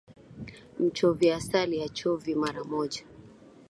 Mchovya asali hachovi mara moja